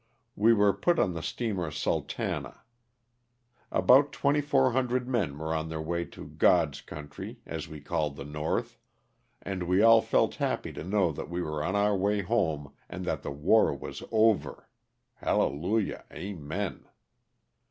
We were put on the steamer, "Sultana." About 2,400 men were on their way to *' God's country," as we called the North, and we all felt happy to know that we were on our way home and that the war was over (hallelujah. Amen).